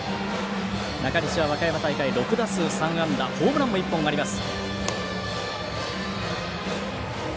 中西は和歌山大会６打数３安打ホームランも１本あります。